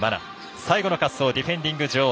最後の滑走ディフェンディング女王。